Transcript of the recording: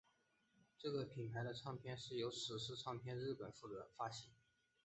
这个品牌的唱片是由史诗唱片日本负责发行。